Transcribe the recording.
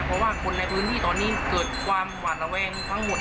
เพราะว่าคนในพื้นที่ตอนนี้เกิดความหวาดระแวงทั้งหมด